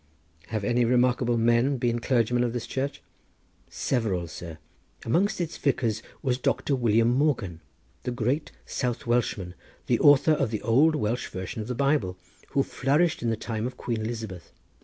"Have any remarkable men been clergymen of this church?" "Several, sir; amongst its vicars was Doctor William Morgan the great South Welshman, the author of the old Welsh version of the Bible, who flourished in the time of Queen Elizabeth.